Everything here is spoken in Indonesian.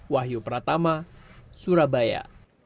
wahyu pratama surabaya